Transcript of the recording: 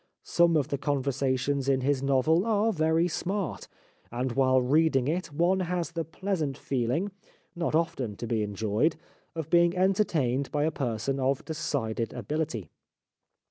Some of the conversations in his novel are very smart, and while reading it one has the pleasant feeling, not often to be enjoyed, of being entertained by a person of decided ability.